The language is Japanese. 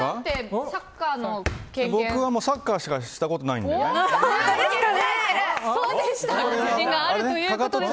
僕はサッカーしかしたことないので。